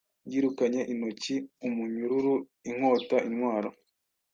Yirukanye intoki-umunyururu-inkotaintwaro